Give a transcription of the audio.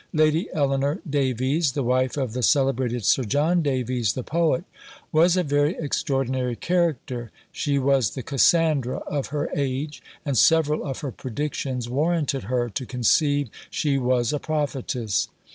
Lady Eleanor Davies, the wife of the celebrated Sir John Davies, the poet, was a very extraordinary character. She was the Cassandra of her age; and several of her predictions warranted her to conceive she was a prophetess.